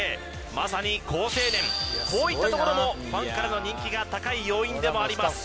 まさに好青年こういったところもファンからの人気が高い要因でもあります